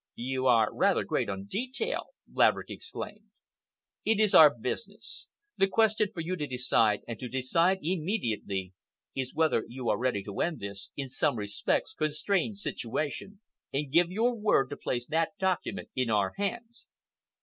"You are rather great on detail!" Laverick exclaimed. "It is our business. The question for you to decide, and to decide immediately, is whether you are ready to end this, in some respects, constrained situation, and give your word to place that document in our hands."